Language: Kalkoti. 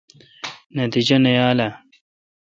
نتجہ نہ یال اؘ۔